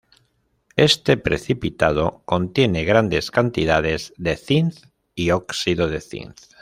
Este precipitado contiene grandes cantidades de zinc y óxido de zinc.